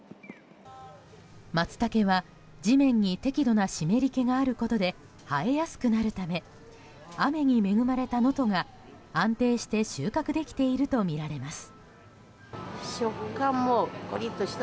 マツタケは地面に適度な湿り気があることで生えやすくなるため雨に恵まれた能登が安定して収穫できているとみられます。